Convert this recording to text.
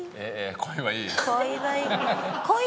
恋はいい。